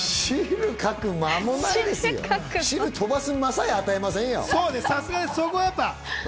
汁飛ばす間さえ与えませんよ。